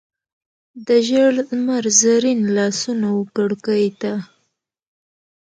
د ژړ لمر زرین لاسونه وکړکۍ ته،